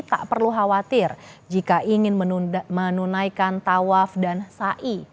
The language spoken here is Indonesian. tak perlu khawatir jika ingin menunaikan tawaf dan sa i